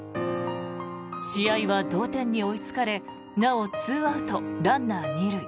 試合は同点に追いつかれなお２アウト、ランナー２塁。